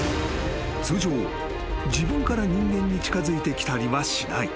［通常自分から人間に近づいてきたりはしない］